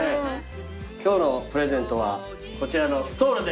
今日のプレゼントはこちらのストールです。